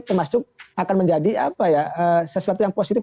kalau kib kan masih kosong